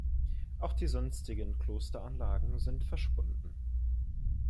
Auch die sonstigen Klosteranlagen sind verschwunden.